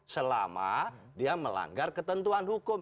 selama dia melanggar ketentuan hukum